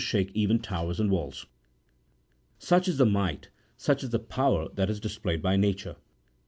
shake even towers and walls ! Such is the might, such is the power that is displayed by Nature.